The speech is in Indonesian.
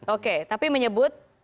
oke tapi menyebut